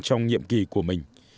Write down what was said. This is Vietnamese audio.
trong nhiệm kỳ của mình